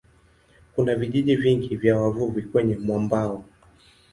Kuna vijiji vingi vya wavuvi kwenye mwambao.